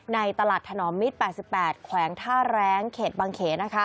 ในตลาดถนอมมิตร๘๘แขวงท่าแรงเขตบางเข